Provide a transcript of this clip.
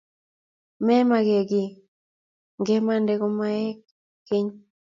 memagee kiiy ngamande komaek keny